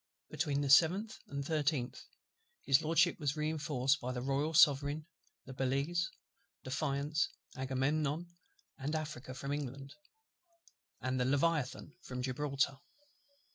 Between the 7th and the 13th, His LORDSHIP was reinforced by the Royal Sovereign, Belleisle, Defiance, Agamemnon, and Africa, from England, and the Leviathan from Gibraltar.